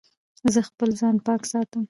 زه خپل ځان پاک ساتم.